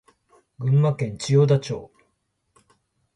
群馬県千代田町